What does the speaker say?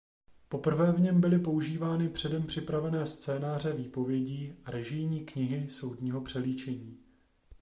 Poprvé v něm byly používány předem připravené scénáře výpovědí a režijní knihy soudního přelíčení.